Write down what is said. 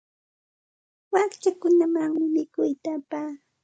Wakchakunamanmi mikuyta apaa.